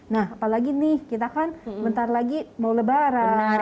nah apalagi nih kita kan bentar lagi mau lebaran